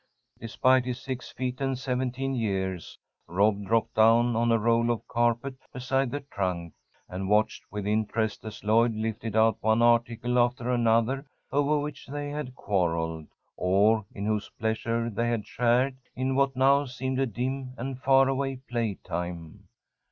Despite his six feet and seventeen years, Rob dropped down on a roll of carpet beside the trunk, and watched with interest as Lloyd lifted out one article after another over which they had quarrelled, or in whose pleasure they had shared in what now seemed a dim and far away playtime.